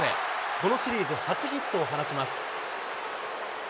このシリーズ初ヒットを放ちます。